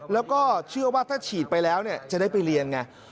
แล้วก็เชื่อว่าถ้าฉีดไปแล้วจะได้ไปเรียนไง